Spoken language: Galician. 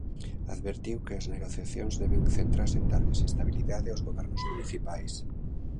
Advertiu que as negociacións deben centrarse en darlles estabilidade aos gobernos municipais.